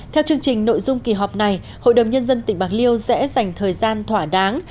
theo chương trình nội dung kỳ họp này hội đồng nhân dân tỉnh bạc liêu sẽ dành thời gian thỏa đáng